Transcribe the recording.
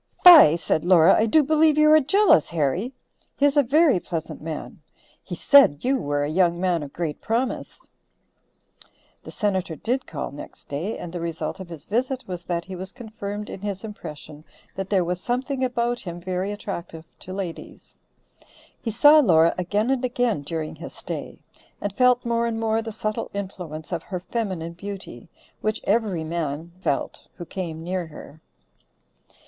"Fie," said Laura, "I do believe you are jealous, Harry. He is a very pleasant man. He said you were a young man of great promise." The Senator did call next day, and the result of his visit was that he was confirmed in his impression that there was something about him very attractive to ladies. He saw Laura again and again during his stay, and felt more and more the subtle influence of her feminine beauty, which every man felt who came near her.